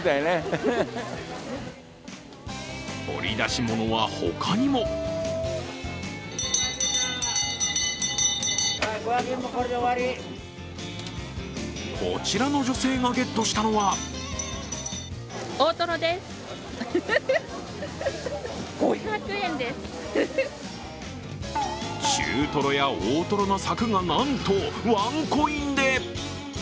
掘り出し物は他にもこちらの女性がゲットしたのは中トロや大トロのさくがなんとワンコインで。